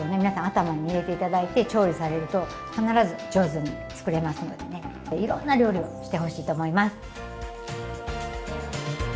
皆さん頭に入れていただいて調理されると必ず上手に作れますのでねいろんな料理をしてほしいと思います。